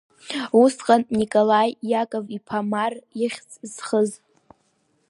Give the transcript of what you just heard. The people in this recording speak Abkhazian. Усҟан Николаи Иаков-иԥа Марр ихьӡ зхыз.